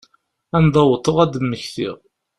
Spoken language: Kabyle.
Anda wwḍeɣ ad d-mmektiɣ.